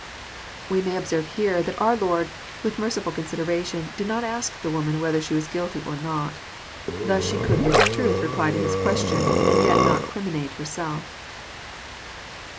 ] We may observe here that our Lord, with merciful consideration, did not ask the woman whether she was guilty or not. Thus she could with truth re ply to His question, and yet not criminate herself.